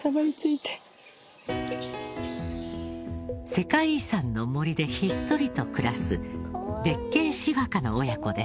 世界遺産の森でひっそりと暮らすデッケンシファカの親子です。